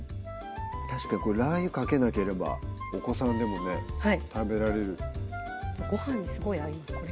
確かにこれラー油かけなければお子さんでもね食べられるごはんにすごい合います